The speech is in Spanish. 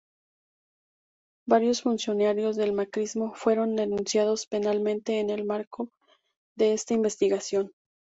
Varios funcionarios del macrismo fueron denunciados penalmente en el marco de esta investigación.